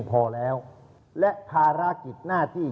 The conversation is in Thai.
โหวตวันที่๒๒